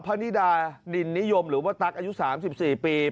พระนิดานินนิยมหรือว่าตั๊กอายุ๓๔ปี